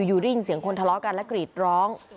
อยู่ได้ยินเสียงคนทะเลาะกันและกรีดร้อง